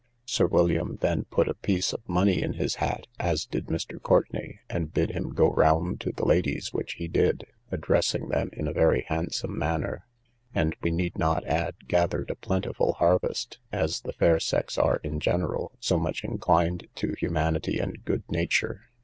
Sir William then put a piece of money in his hat, as did Mr. Courtenay, and bid him go round to the ladies, which he did, addressing them in a very handsome manner; and, we need not add, gathered a plentiful harvest, as the fair sex are, in general, so much inclined to humanity and good nature.